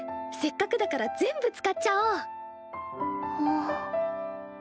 せっかくだから全部使っちゃおう！